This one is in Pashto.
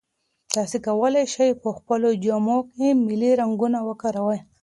تاسي کولای شئ په خپلو جامو کې ملي رنګونه وکاروئ.